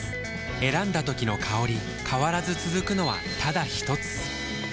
選んだ時の香り変わらず続くのはただひとつ？